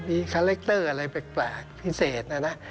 มีคาแรคเตอร์อะไรแปลกพิเศษนะนะ